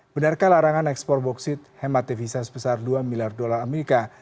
benarkah larangan ekspor boksit hemat devisa sebesar dua miliar dolar amerika